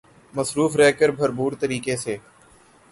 مصروف رہ کر بھرپور طریقے سے